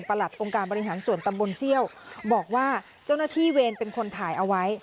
องค์การบริหารส่วนตำบลเซี่ยวบอกว่าเจ้าหน้าที่เวรเป็นคนถ่ายเอาไว้